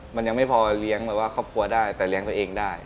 มันยังไม่พอเลี้ยงแบบว่าครอบครัวได้แต่เลี้ยงตัวเองได้